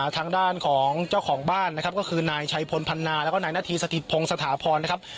ทางด้านของเจ้าของบ้านนะครับก็คือนายชัยพลพันนาแล้วก็นายนาธีสถิตพงศ์สถาพรนะครับ